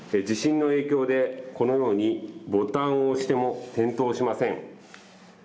地震の影響でこのように、ボタンを押しても点灯しません。